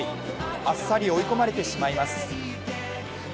あっさり追い込まれてしまいます。